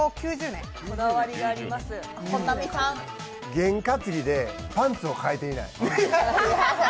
験担ぎで、パンツを替えてない？